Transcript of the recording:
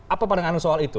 apa pandangan anda soal itu